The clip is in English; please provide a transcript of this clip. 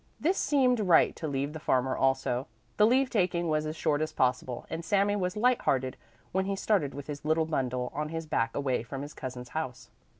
This seemed right to the farmer also. The leave taking was as short as possible, and Sami was light hearted when he started with his little bundle on his back away from his cousins' house.